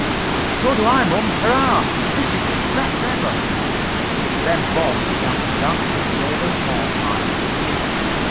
"So do I, mom. Hurrah! This is the best ever!" Then Bob began to dance a sailor's hornpipe.